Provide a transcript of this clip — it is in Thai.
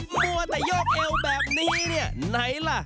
มัวแต่โยกเอวแบบนี้เนี่ยไหนล่ะ